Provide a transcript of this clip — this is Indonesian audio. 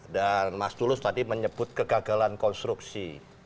dan mas tulus tadi menyebut kegagalan konstruksi